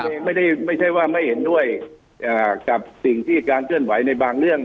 เองไม่ใช่ว่าไม่เห็นด้วยกับสิ่งที่การเคลื่อนไหวในบางเรื่อง